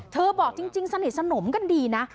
บอกจริงสนิทสนมกันดีนะ